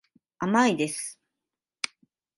甘いです。